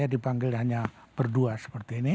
dipanggil hanya berdua seperti ini